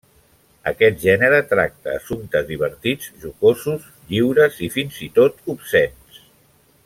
Aquest gènere tracta assumptes divertits, jocosos, lliures i fins i tot obscens.